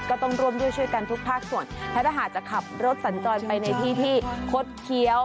ก็ต้องร่วมด้วยช่วยกันทุกภาคส่วนและถ้าหากจะขับรถสัญจรไปในที่ที่คดเคี้ยว